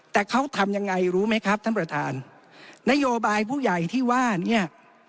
แต่เขาทำยังไงรู้ไหมครับท่านประธานนโยบายผู้ใหญ่ที่ว่าเนี่ย